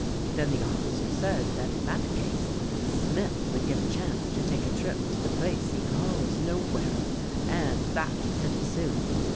Then the officer said that in that case Smith would get a chance to take a trip to the place he calls Nowhere, and that pretty soon.